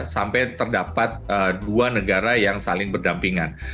sampai terdapat dua negara yang saling berdampingan